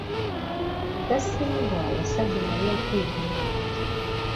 rudasingwa yasabye mariya kwiga ubuhanzi cyane